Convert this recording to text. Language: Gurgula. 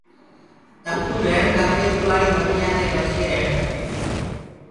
تڪوُ رهيڻ کپي اُڏوآݪي مکيآنٚ دي بچي رهيڻ کپي۔